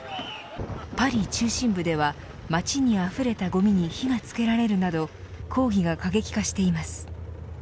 パリ中心部では街にあふれたごみに火がつけられるなど抗議が過激化しています。